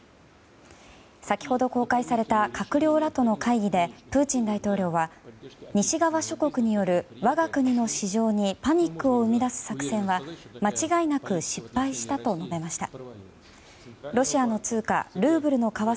先ほど公開された閣僚らとの会議でプーチン大統領は西側諸国による我が国の市場にパニックを生み出す作戦は間違いなく失敗したと述べました。